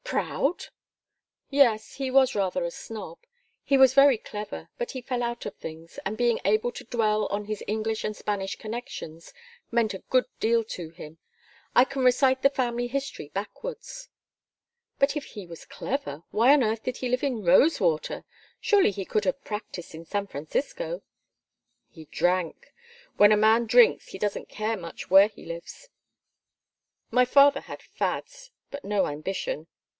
"Proud?" "Yes, he was rather a snob. He was very clever, but he fell out of things, and being able to dwell on his English and Spanish connections meant a good deal to him. I can recite the family history backwards." "But if he was clever, why on earth did he live in Rosewater? Surely he could have practised in San Francisco?" "He drank. When a man drinks he doesn't care much where he lives. My father had fads but no ambition."